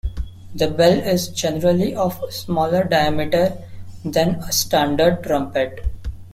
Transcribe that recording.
The bell is generally of smaller diameter than a standard trumpet.